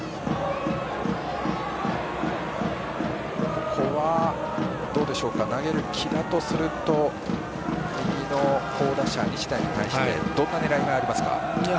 ここはどうでしょうか投げる木田とすると右の好打者・西田に対してどんな狙いがありますか？